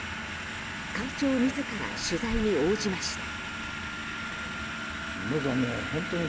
会長自ら、取材に応じました。